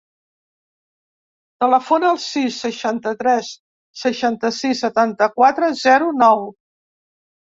Telefona al sis, seixanta-tres, seixanta-sis, setanta-quatre, zero, nou.